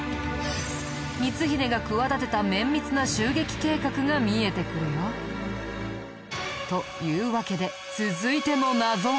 光秀が企てた綿密な襲撃計画が見えてくるよ。というわけで続いての謎は。